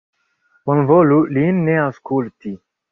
Bonvolu lin ne aŭskulti!